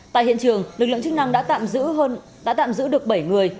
tại hiện trường lực lượng chức năng đã tạm giữ được bảy người